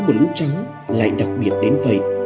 một lúc trắng lại đặc biệt đến vậy